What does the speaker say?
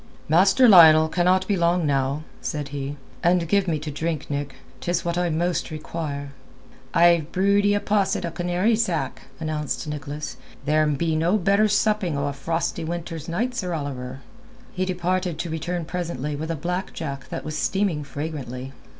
"Master Lionel cannot be long now," said he. "And give me to drink, Nick. 'Tis what I most require." "I've brewed ee a posset o' canary sack," announced Nicholas; "there'm no better supping o' a frosty winter's night, Sir Oliver." He departed to return presently with a black jack that was steaming fragrantly.